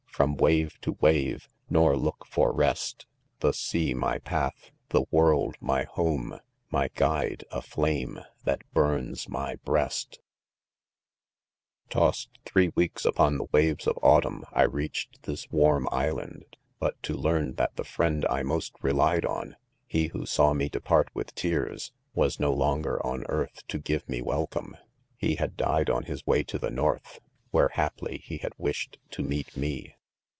From wave to wave, nor look for rest ;— The sea my path, tlie world my home, . My guide a flame that burns my^breast ! s Tossed three weeks upon the waves of autumn, I reached this warih Island, but to learn that the friend I most relied on — he who saw Hie depart with tears, was 'no longer on earth to give me welcome,, He had died on his way to the North, where 'haply he had wished to meet me.